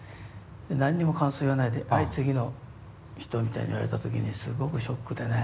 何にも感想言わないで「はい次の人」みたいに言われた時にすごくショックでね。